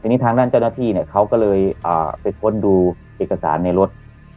ทีนี้ทางด้านเจ้าหน้าที่เขาก็เลยไปค้นดูเอกสารในรถ